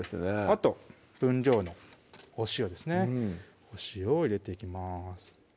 あと分量のお塩ですねお塩を入れていきます